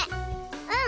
うん！